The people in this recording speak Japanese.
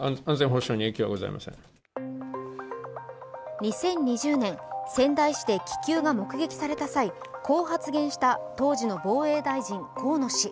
２０２０年、仙台市で気球が目撃された際こう発言した、当時の防衛大臣・河野氏。